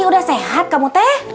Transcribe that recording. udah sehat kamu teh